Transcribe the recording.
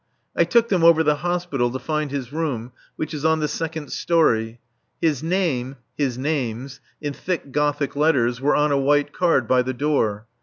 I took them over the Hospital to find his room, which is on the second story. His name his names in thick Gothic letters, were on a white card by the door.